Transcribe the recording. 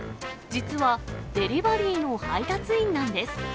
実はデリバリーの配達員なんです。